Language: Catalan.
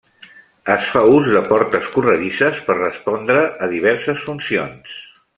Es fa ús de portes corredisses per respondre a diverses funcions.